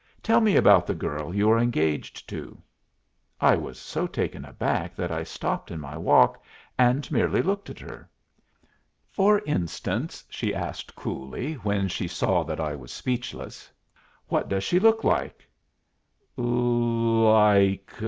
"Tell me about the girl you are engaged to." I was so taken aback that I stopped in my walk, and merely looked at her. "For instance," she asked coolly, when she saw that I was speechless, "what does she look like?"